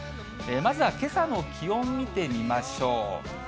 まずはけさの気温見てみましょう。